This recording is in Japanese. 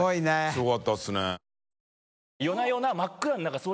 すごかったですね。